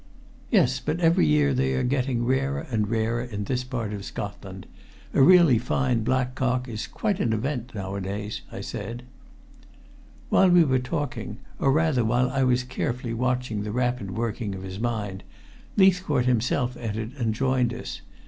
"Yes, but every year they are getting rarer and rarer in this part of Scotland. A really fine black cock is quite an event nowadays," I said. While we were talking, or rather while I was carefully watching the rapid working of his mind, Leithcourt himself entered and joined us.